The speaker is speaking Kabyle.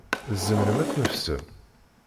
Tzemrem ad tneffsem?